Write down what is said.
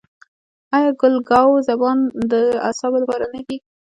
آیا ګل ګاو زبان د اعصابو لپاره نه دی؟